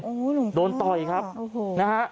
โอ้โหหนูฮะโดนต่อยครับโอ้โห